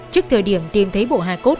trước thời điểm tìm thấy bộ hai cốt